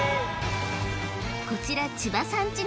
こちら千葉さん